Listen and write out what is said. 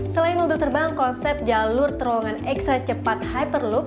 selain mobil terbang konsep jalur terowongan ekstra cepat hyperlook